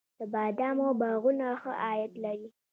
د بادامو باغونه ښه عاید لري؟